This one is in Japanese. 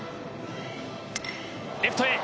レフトへ。